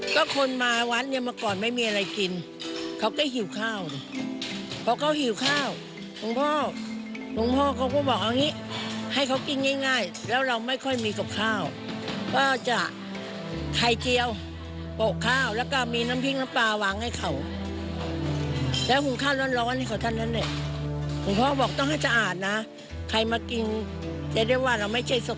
จะได้ว่าเราไม่ใช่สกปรกไปทำให้เขากินไม่ดี